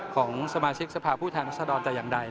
ของสมาชิกสภาพผู้แทนรัศดรแต่อย่างใด